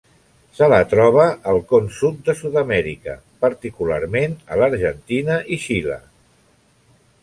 Se la troba al Con Sud de Sud-amèrica, particularment a l'Argentina i Xile.